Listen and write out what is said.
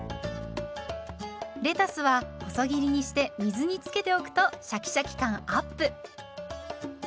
レタスは細切りにして水につけておくとシャキシャキ感アップ。